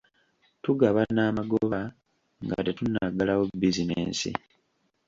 Tugabana amagoba nga tetunnaggalawo bizinensi.